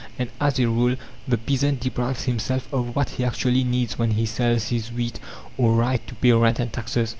And as a rule, the peasant deprives himself of what he actually needs when he sells his wheat or rye to pay rent and taxes.